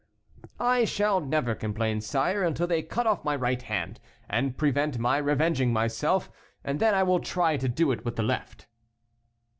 "I shall never complain, sire, until they cut off my right hand, and prevent my revenging myself, and then I will try to do it with the left."